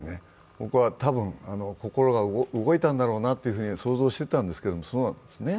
あれを聞いてて、僕はたぶん心が動いたんだろうなと想像していたんですけど。